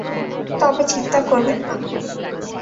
তবে চিন্তা করবেন না।